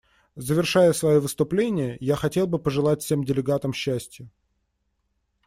Завершая свое выступление, я хотел бы пожелать всем делегатам счастья.